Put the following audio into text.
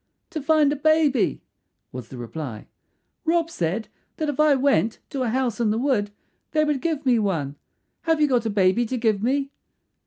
"To find a baby," was the reply. "Rob said that if I went to a house in the wood they would give me one. Have you got a baby to give me?"